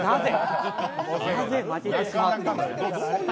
なぜ、負けてしまったのか。